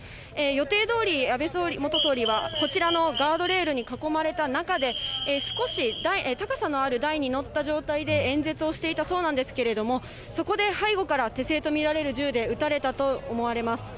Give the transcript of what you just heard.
予定どおり、安倍元総理は、こちらのガードレールに囲まれた中で、少し高さのある台に乗った状態で演説をしていたそうなんですけれども、そこで背後から手製と見られる銃で撃たれたと思われます。